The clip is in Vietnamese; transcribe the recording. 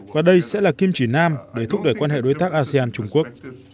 và đây sẽ là kim chỉ nam để thúc đẩy quan hệ đối tác asean trung quốc